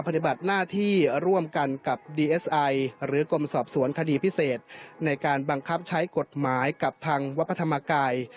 ปฏิบัติหน้าที่ร่วมกันกับดีเอสไอหรือกรมสอบสวนคดีพิเศษในการบังคับใช้กฎหมายกับทางวัดพระธรรมกาย